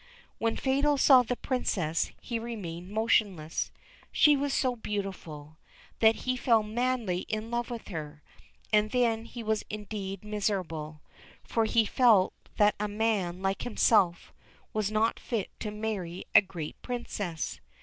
When Fatal saw the Princess, he remained motionless. She was so beautiful, that he felt madly in love with her, and then he was indeed miserable; for he felt that a man like himself was not fit to marry a great Princess.